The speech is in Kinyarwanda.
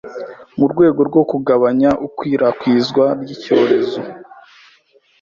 mu rwego rwo kugabanya ikwirakwizwa ry’icyorezo